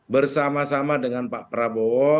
bersama sama dengan pak prabowo